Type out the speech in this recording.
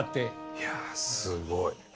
いやすごい。